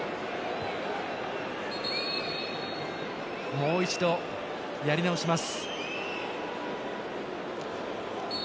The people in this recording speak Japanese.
もう一度、やり直します。